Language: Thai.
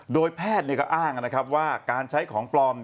โดยแพทย์ก็อ้างนะครับว่าการใช้ของปลอม